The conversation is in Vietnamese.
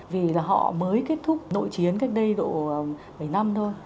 vì là họ mới kết thúc nội chiến cách đây độ bảy năm thôi